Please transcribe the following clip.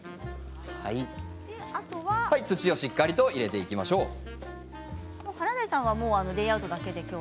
土をしっかりと入れていきましょう。